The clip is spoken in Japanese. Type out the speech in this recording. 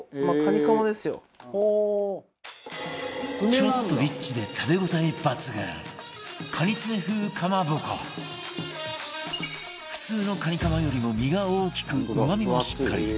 ちょっとリッチで食べ応え抜群普通のカニカマよりも身が大きくうまみもしっかり